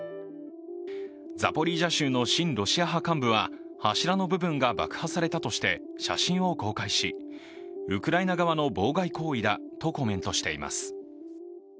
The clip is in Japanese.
ザポリージャ州の親ロシア派幹部は、柱の部分が爆破されたとして写真を公開し、ウクライナ側の妨害行為だとコメントしています。